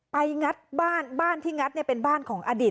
งัดบ้านบ้านที่งัดเนี่ยเป็นบ้านของอดีต